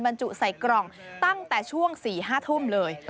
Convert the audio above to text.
บรรจุใส่กล่องตั้งแต่ช่วง๔๕ทุ่มเลย